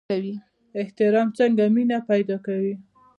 احترام څنګه مینه پیدا کوي؟